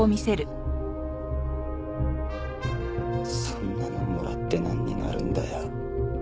そんなのもらってなんになるんだよ。